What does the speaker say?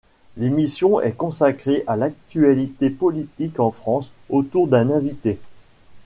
L'émission est consacrée à l'actualité politique en France, autour d'un invité.